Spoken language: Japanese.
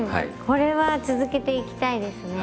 これは続けていきたいですね。